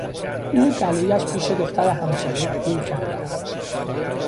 او گلویش پیش دختر همسایه گیر کرده است.